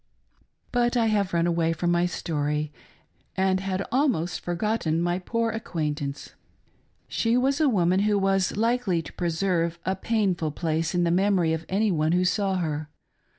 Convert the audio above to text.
But I have run away from my story, and had almost forgotten my poor acquaintance. She was a woman who was likely to preserve a painful place in the memory of any one who once saw her.